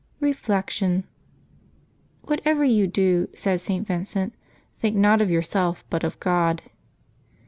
Reflection. — ^'Whatever you do," said St. Vincent, "think not of yourself, but of God."